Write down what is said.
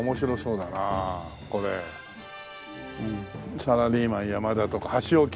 サラリーマン山田とか箸置き。